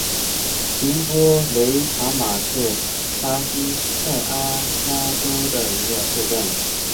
平多雷塔马是巴西塞阿拉州的一个市镇。